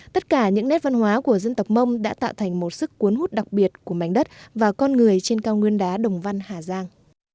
tất cả những nét văn hóa của dân tộc mông đã tạo thành một sức cuốn hút đặc biệt của mảnh đất và con người trên cao nguyên đá đồng văn hà giang